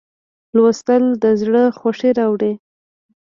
لوستل د زړه خوښي راوړي.